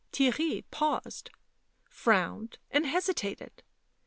Theirry paused, frowned, and hesitated.